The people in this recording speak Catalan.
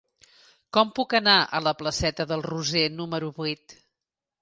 Com puc anar a la placeta del Roser número vuit?